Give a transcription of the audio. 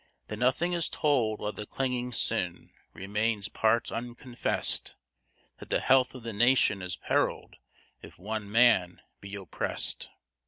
That nothing is told while the clinging sin remains part unconfessed? That the health of the nation is perilled if one man be oppressed?